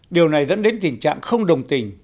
điều này dẫn đến tình trạng không đồng tình